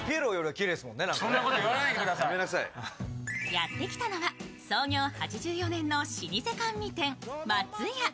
やってきたのは創業８４年の老舗甘味店、松屋。